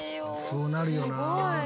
そうなるよな。